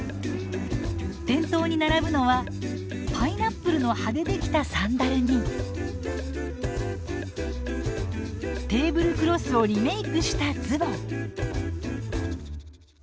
店頭に並ぶのはパイナップルの葉でできたサンダルにテーブルクロスをリメークしたズボン。